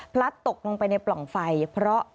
ตกลงไปในปล่องไฟเพราะ